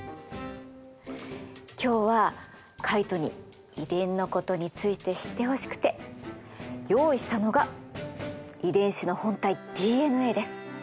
今日はカイトに遺伝のことについて知ってほしくて用意したのが遺伝子の本体ＤＮＡです。